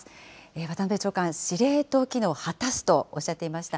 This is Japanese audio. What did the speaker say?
渡辺長官、司令塔機能を果たすとおっしゃっていました。